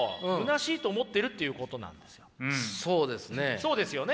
そうですね。